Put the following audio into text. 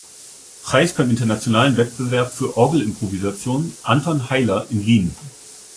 Preis beim Internationalen Wettbewerb für Orgelimprovisation “Anton Heiller” in Wien.